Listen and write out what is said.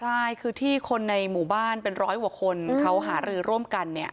ใช่คือที่คนในหมู่บ้านเป็นร้อยกว่าคนเขาหารือร่วมกันเนี่ย